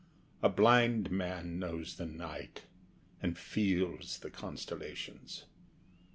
A blind man knows the night, And feels the constellations.